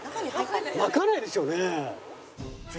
まかないですよね。